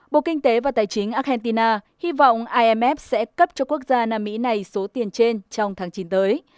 bộ kinh tế và tài chính argentina hy vọng imf sẽ cấp cho quốc gia nam mỹ này số tiền trên trong tháng chín tới